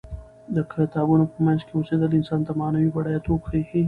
د کتابونو په منځ کې اوسیدل انسان ته معنوي بډایه توب بښي.